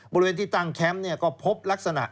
บริเวณที่ตั้งแคมป์ก็พบลักษณะ